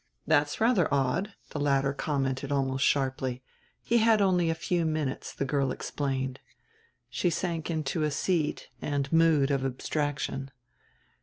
"That's rather odd," the latter commented almost sharply. "He had only a few minutes," the girl explained. She sank into a seat and mood of abstraction.